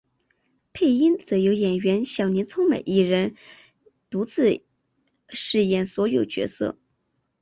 配音则由演员小林聪美一人独自饰演所有角色。